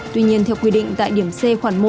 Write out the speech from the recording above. tuy nhiên theo quy định tại điểm c khoảng một